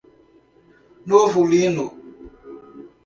Novo Lino